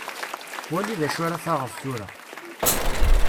Wali d acu ara taɣeḍ tura.